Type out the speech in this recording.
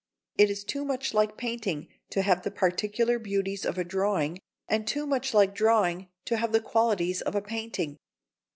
It is too much like painting to have the particular beauties of a drawing, and too much like drawing to have the qualities of a painting.